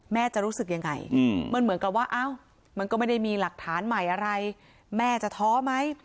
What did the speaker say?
จะรู้สึกยังไงมันเหมือนกับว่ามันก็ไม่ได้มีหลักฐานใหม่อะไรแม่จะท้อไหม